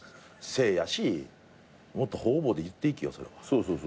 そうそう。